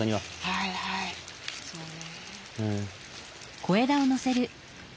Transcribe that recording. はいはいそうね。